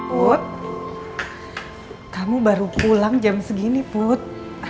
put kamu baru pulang jam segini put